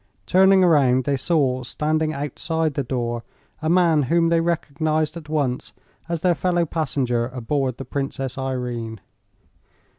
Turning around they saw standing outside the door a man whom they recognized at once as their fellow passenger aboard the "Princess Irene."